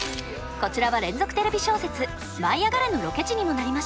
こちらは連続テレビ小説「舞いあがれ！」のロケ地にもなりました。